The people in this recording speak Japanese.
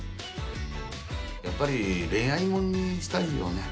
やっぱり恋愛ものにしたいよね。